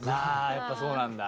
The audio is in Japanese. やっぱそうなんだ。